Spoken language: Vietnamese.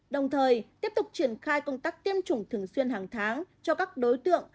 đồng thời tiếp tục triển khai công tác tiêm chủng thường xuyên hàng tháng cho các đối tượng